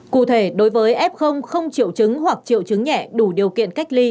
cụ thể đối với ép không không triệu chứng hoặc triệu chứng nhẹ đủ điều kiện cách ly